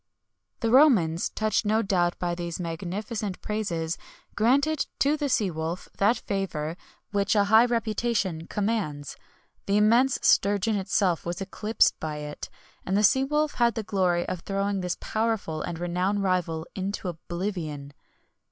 [XXI 84] The Romans, touched no doubt by these magnificent praises, granted to the sea wolf that favour which a high reputation commands. The immense sturgeon itself was eclipsed by it, and the sea wolf had the glory of throwing this powerful and renowned rival into oblivion.